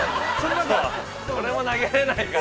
◆俺も投げれないから。